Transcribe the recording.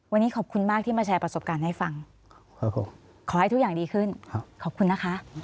วันนี้ขอบคุณมากที่มาแชร์ประสบการณ์ให้ฟังครับผมขอให้ทุกอย่างดีขึ้นขอบคุณนะคะ